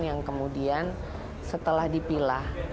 yang kemudian setelah dipilah